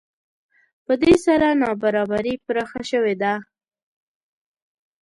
په دې سره نابرابري پراخه شوې ده